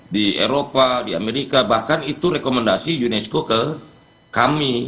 di eropa di amerika bahkan itu rekomendasi unesco ke kami